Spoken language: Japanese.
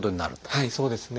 はいそうですね。